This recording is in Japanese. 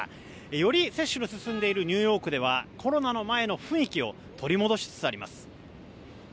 より接種が進んでいるニューヨークではコロナの前の雰囲気を取り戻しつつあります。